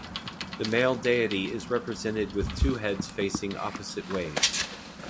The male deity is represented with two heads facing opposite ways.